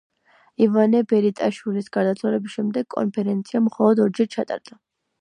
ივანე ბერიტაშვილის გარდაცვალების შემდეგ კონფერენცია მხოლოდ ორჯერ ჩატარდა.